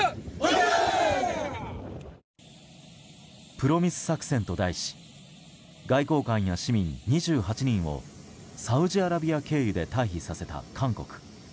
プロミス作戦と題し外交官や市民２８人をサウジアラビア経由で退避させた韓国。